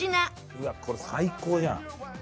うわっこれ最高じゃん。